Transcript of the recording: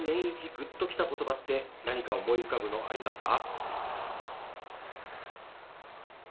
グッときた言葉って何か思い浮かぶのありますか？